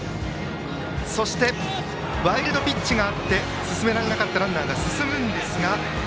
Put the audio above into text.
そして、ワイルドピッチがあって進められなかったランナーが進みます。